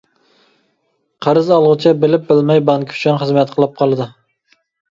قەرز ئالغۇچى بىلىپ بىلمەي بانكا ئۈچۈن خىزمەت قىلىپ قالىدۇ.